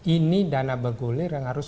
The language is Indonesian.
ini dana bergulir yang harus